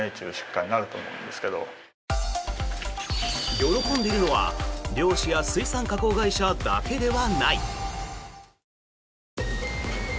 喜んでいるのは、漁師や水産加工会社だけではない。